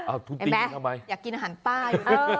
ไอ้แม่อยากกินอาหารป้าย